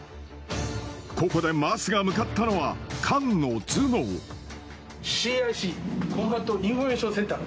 ここで桝が向かったのは、艦の頭ＣＩＣ、コンバット・インフォメーション・センター。